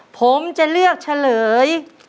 ผมจะเลือกเฉลย